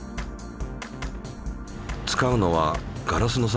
使うのはガラスの皿？